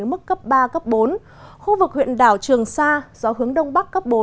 ở mức cấp ba cấp bốn khu vực huyện đảo trường sa gió hướng đông bắc cấp bốn